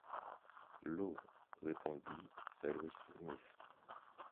L’eau, répondit Cyrus Smith